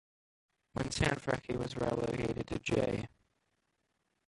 When Sanfrecce was relegated to J.